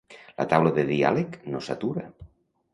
La taula de diàleg no s'atura.